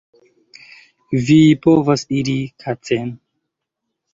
Vi povas iri kacen